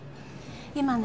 今ね